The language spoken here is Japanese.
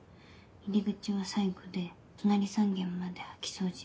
入り口は最後で隣３軒まで掃き掃除。